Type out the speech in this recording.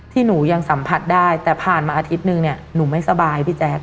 หนูยังสัมผัสได้แต่ผ่านมาอาทิตย์นึงเนี่ยหนูไม่สบายพี่แจ๊ค